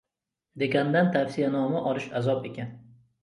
Dekandan tavsiyanoma olish azob ekan.